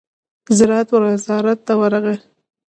زراعت وزارت ته ورغی.